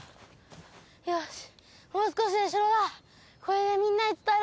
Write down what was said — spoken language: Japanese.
よし！